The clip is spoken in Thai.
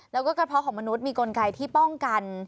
แล้วก็กระเพาะของมนุษย์มีกลไกที่ป้องกัน